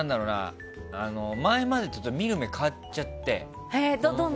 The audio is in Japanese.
前までと見る目変わっちゃって。